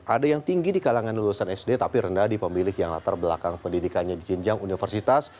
ada yang tinggi di kalangan lulusan sd tapi rendah di pemilih yang latar belakang pendidikannya di jenjang universitas